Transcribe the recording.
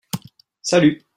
Salut !